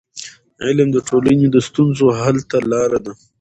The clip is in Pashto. علم د ټولنې د ستونزو حل ته لار ده.